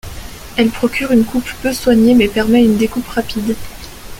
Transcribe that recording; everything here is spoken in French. Elle procure une coupe peu soignée mais permet une découpe rapide.